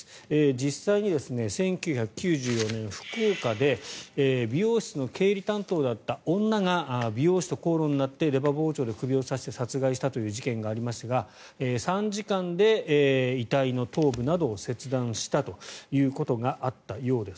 実際に１９９４年、福岡で美容室の経理担当だった女が美容師と口論になって出刃包丁で首を刺して殺害したという事件がありましたが３時間で遺体の頭部などを切断したということがあったようです。